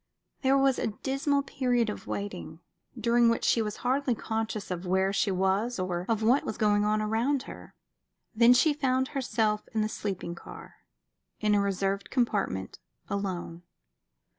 There was a dismal period of waiting, during which she was hardly conscious of where she was or of what was going on round her. Then she found herself in the sleeping car, in a reserved compartment, alone.